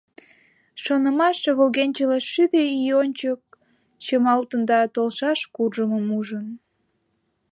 Шонымаш волгенчыла шӱдӧ ий ончык чымалтын да толшаш курымым ужын.